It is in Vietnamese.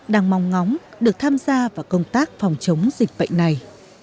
đang mong ngóng được tham gia vào công tác phòng chống dịch bệnh này